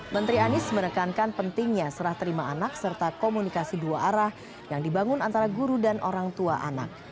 menteri anies menekankan pentingnya serah terima anak serta komunikasi dua arah yang dibangun antara guru dan orang tua anak